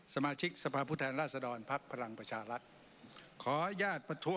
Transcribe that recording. สมาชิกสภาพุทธแทนราชดรพรางประชาภัฐ